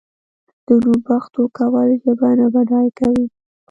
د نوم پښتو کول ژبه نه بډای کوي.